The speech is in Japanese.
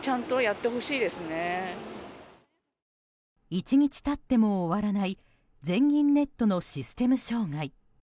１日経っても終わらない全銀ネットのシステム障害。